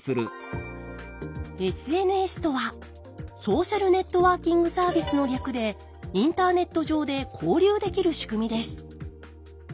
ＳＮＳとは「ソーシャルネットワーキングサービス」の略でインターネット上で交流できる仕組みです。